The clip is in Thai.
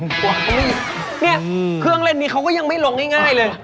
เนี่ยเครื่องเล่นนี้เขาก็ยังไม่ลงง่ายเลย